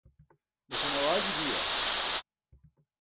besan awaaji biya?